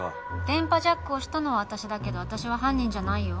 電波ジャックをしたのは私だけど私は犯人じゃないよ